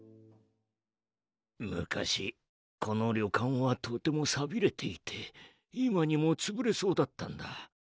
昔この旅館はとてもさびれていて今にもつぶれそうだったんだ。